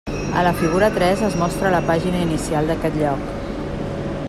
A la figura tres es mostra la pàgina inicial d'aquest lloc.